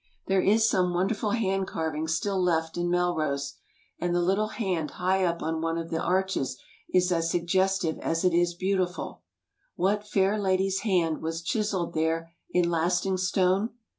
There is some wonderful hand carving still left in Mel rose, and the litde hand high up on one of the arches is as suggestive as it is beautiful. What fair lady's hand was chi selled there in lasting stone?